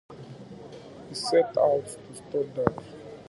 He sets out to stop that.